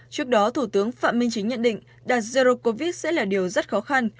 trước đó thủ tướng phạm minh chính nhận định đạt zero covid sẽ là điều rất khó khăn